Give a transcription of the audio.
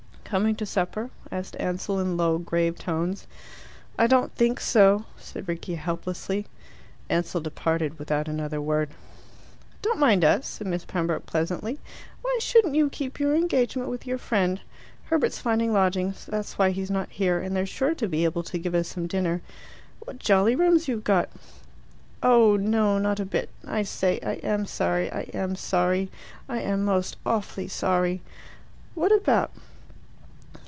"Coming to supper?" asked Ansell in low, grave tones. "I don't think so," said Rickie helplessly. Ansell departed without another word. "Don't mind us," said Miss Pembroke pleasantly. "Why shouldn't you keep your engagement with your friend? Herbert's finding lodgings, that's why he's not here, and they're sure to be able to give us some dinner. What jolly rooms you've got!" "Oh no not a bit. I say, I am sorry. I am sorry. I am most awfully sorry." "What about?"